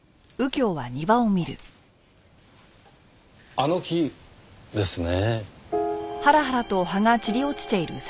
あの木ですね。